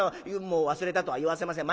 もう忘れたとは言わせません。